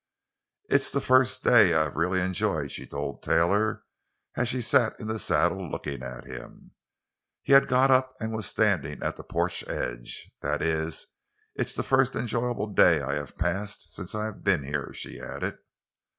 "It's the first day I have really enjoyed," she told Taylor as she sat in the saddle, looking at him. He had got up and was standing at the porch edge. "That is, it is the first enjoyable day I have passed since I have been here," she added.